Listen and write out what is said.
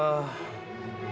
apa sih kek gimana